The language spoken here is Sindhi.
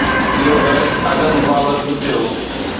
اهو بحث ادب بابت به ٿيو.